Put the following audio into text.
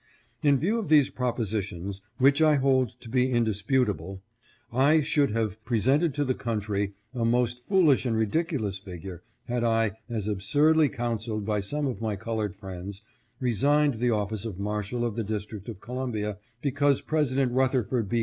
In view of these propositions, which I hold to be indis putable, I should have presented to the country a most foolish and ridiculous figure had I, as absurdly counseled by some of my colored friends, resigned the office of Mar shal of the District of Columbia, because President Rutherford B.